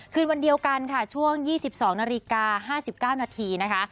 คืนวันเดียวกันค่ะช่วง๒๒นาฬิกา๕๙นาทีนะคะ